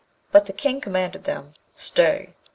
But the King commanded them, 'Stay!'